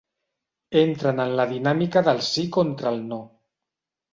Entren en la dinàmica del sí contra el no.